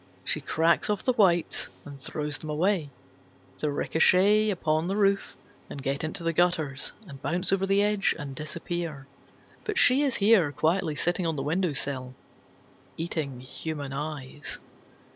She cracks off the whites and throws them away. They ricochet upon the roof, and get into the gutters, and bounce over the edge and disappear. But she is here, quietly sitting on the window sill, eating human eyes.